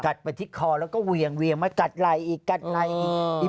ไปที่คอแล้วก็เวียงมากัดไหล่อีกกัดไหล่อีก